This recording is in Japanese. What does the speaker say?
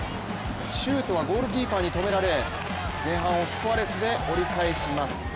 シュートはゴールキーパーに止められ前半をスコアレスで折り返します。